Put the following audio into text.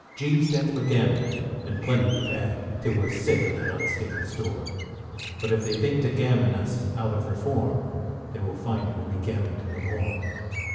=G= stands for Gammon, and plenty we've had, Till we are sick of that unstaple store; But if they think to gammon us out of Reform, They will find we'll be gammoned no more.